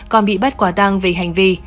còn bị bắt quả tăng về hành vi